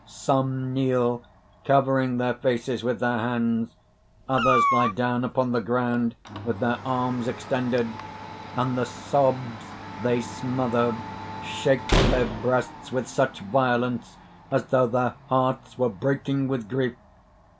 (_Some kneel, covering their faces with their hands; others lie down upon the ground with their arms extended; and the sobs they smother shake their breasts with such violence as though their hearts were breaking with grief.